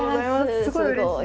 すごいうれしい。